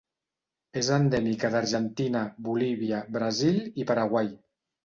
És endèmica d'Argentina, Bolívia, Brasil i Paraguai.